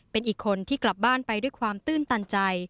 เป็นอีกคนที่กลับบ้านไปด้วยความตื้นตันใจ